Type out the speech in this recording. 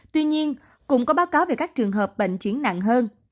tuy nhiên cũng có báo cáo về các trường hợp bệnh chuyển nặng hơn